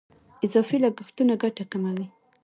اضافي لګښتونه ګټه کموي.